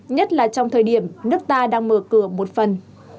nhất là trong thời điểm nước ta đang mở cửa một phần